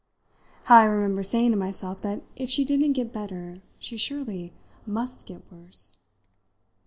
How I remember saying to myself that if she didn't get better she surely must get worse!